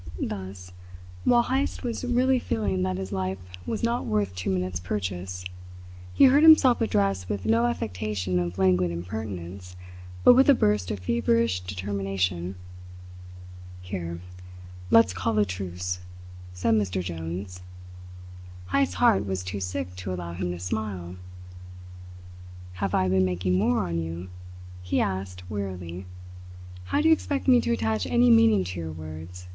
Thus, while Heyst was really feeling that his life was not worth two minutes, purchase, he heard himself addressed with no affectation of languid impertinence but with a burst of feverish determination. "Here! Let's call a truce!" said Mr. Jones. Heyst's heart was too sick to allow him to smile. "Have I been making war on you?" he asked wearily. "How do you expect me to attach any meaning to your words?"